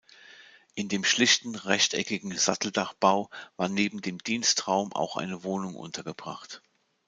In dem schlichten, rechteckigen Satteldachbau war neben dem Dienstraum auch eine Wohnung untergebracht.